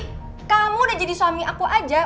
eh kamu udah jadi suami aku aja